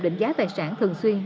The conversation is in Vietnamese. định giá tài sản thường xuyên